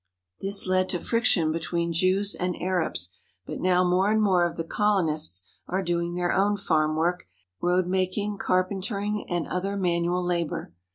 This led to friction between Jews and Arabs, but now more and more of the colonists are doing their own farm work, road making, carpentering, and other manual labour.